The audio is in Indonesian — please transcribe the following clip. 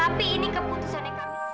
tapi ini keputusan